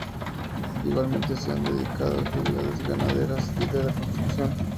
Igualmente se ha dedicado a actividades ganaderas y de la construcción.